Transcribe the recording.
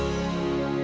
laluitz sudah berubah pa